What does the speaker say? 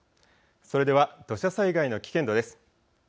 それでは土砂災害の危険度です。